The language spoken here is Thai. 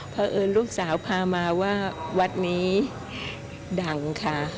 เพราะเอิญลูกสาวพามาว่าวัดนี้ดังค่ะ